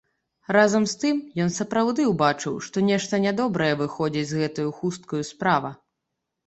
Разам з тым ён сапраўды ўбачыў, што нешта нядобрая выходзіць з гэтаю хусткаю справа.